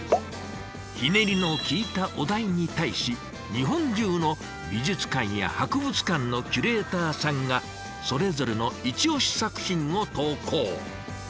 ひねりの効いたお題に対し日本中の美術館や博物館のキュレーターさんがそれぞれのイチオシ作品を投稿。